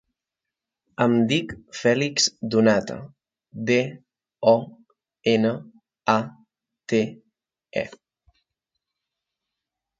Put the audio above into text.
Em dic Fèlix Donate: de, o, ena, a, te, e.